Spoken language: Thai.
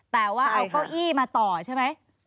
แต่ว่าเอาเก้าอี้มาต่อใช่ไหม